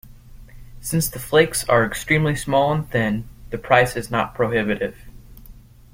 Since the flakes are extremely small and thin, the price is not prohibitive.